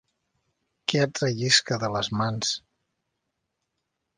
Que et rellisca de les mans.